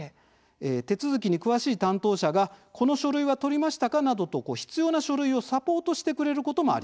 手続きに詳しい担当者がこの書類は取りましたか？などと必要な書類をサポートしてくれることもあります。